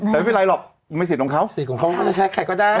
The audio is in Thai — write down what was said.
แต่ไม่เป็นไรหรอกไม่สิทธิ์ของเขาสิทธิ์ของเขาไม่ใช่ใครก็ได้